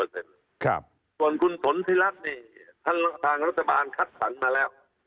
ส่วนคุณถนธิรัตน์ทางรัฐบาลคัดสรรค์มาแล้ว